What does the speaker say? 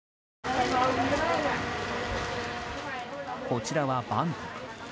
こちらはバンコク。